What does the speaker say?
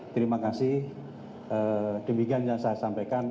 terima kasih demikian yang saya sampaikan